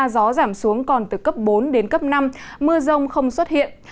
gió giảm xuống còn từ cấp bốn đến cấp năm mưa rông không xuất hiện